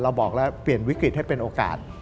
บอกแล้วเปลี่ยนวิกฤตให้เป็นโอกาส